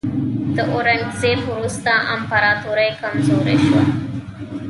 د اورنګزیب وروسته امپراتوري کمزورې شوه.